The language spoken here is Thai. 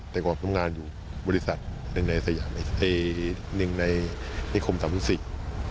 แต่กว่าทำงานอยู่บริษัทในสหรัฐอเมริกาในคมตำภูมิสิทธิ์